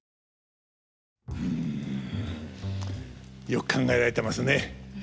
よく考えられてますね。